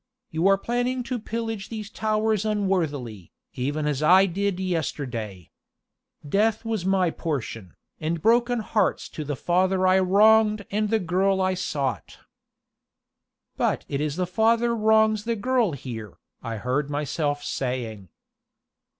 You are planning to pillage these towers unworthily, even as I did yesterday. Death was my portion, and broken hearts to the father I wronged and the girl I sought." "But it is the father wrongs the girl here," I heard myself saying.